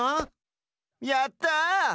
やった！